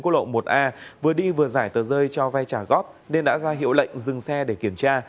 vừa đi vừa giải tờ rơi cho vai trả góp nên đã ra hiệu lệnh dừng xe để kiểm tra